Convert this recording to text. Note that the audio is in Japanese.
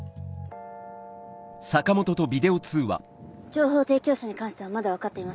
情報提供者に関してはまだ分かっていません。